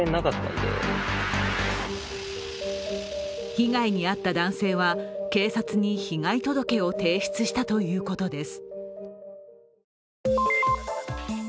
被害に遭った男性は、警察に被害届を提出したということです。